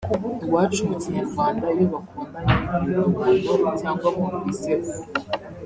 Iwacu mu kinyarwanda iyo bakubonanye n’umuntu cyangwa bumvise umuvuga